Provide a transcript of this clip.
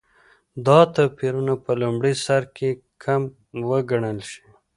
دا توپیرونه په لومړي سرکې کم وګڼل شي.